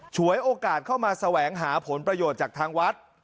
ฉวยโอกาสเข้ามาแสวงหาผลประโยชน์จากทางวัด